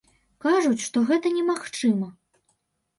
Кажуць, што гэта немагчыма.